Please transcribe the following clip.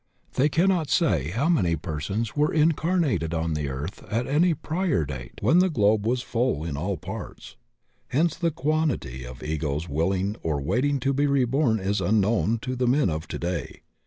They cannot say how many persons were incarnated on the earth at any prior date when the globe was full in all parts, hence the quantity of egos willing or waiting to be reborn is imknown to the men of today.